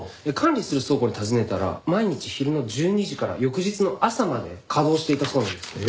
管理する倉庫に尋ねたら毎日昼の１２時から翌日の朝まで稼働していたそうなんです。